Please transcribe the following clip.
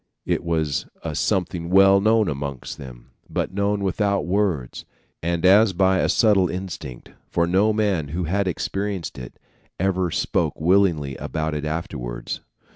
It was a something well known amongst them, but known without words, and as by a subtle instinct, for no man who had experienced it ever spoke willingly about it afterwards.